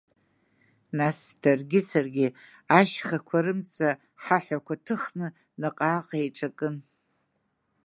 Нас даргьы саргьы ашьхақәа рымҵа ҳаҳәақәа ҭыхны наҟ-ааҟ еиҿакын.